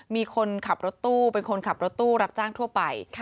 มีคนขับรถตู้เป็นคนขับรถตู้รับจ้างทั่วไป